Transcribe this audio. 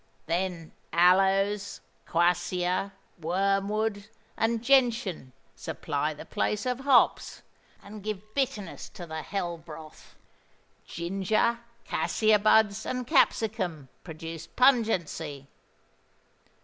Then aloes, quassia, wormwood, and gentian supply the place of hops, and give bitterness to the hell broth. Ginger, cassia buds, and capsicum, produce pungency.